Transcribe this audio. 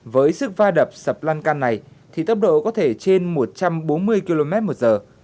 với sức va đập sập lan can này thì tốc độ có thể trên một trăm bốn mươi km một giờ